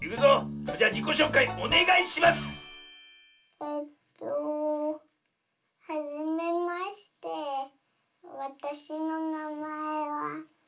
えっとはじめましてわたしのなまえはスイです。